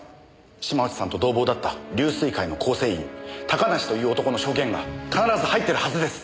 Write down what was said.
島内さんと同房だった龍翠会の構成員高梨という男の証言が必ず入ってるはずです。